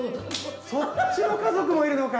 そっちの家族もいるのか。